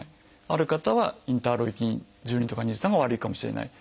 ある方はインターロイキン１２とか２３が悪いかもしれない。